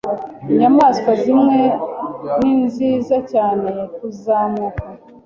Inyamaswa zimwe ninziza cyane kuzamuka.